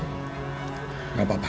gak apa apa udah